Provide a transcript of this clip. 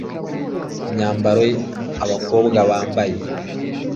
imyambaro abakobwa bambaye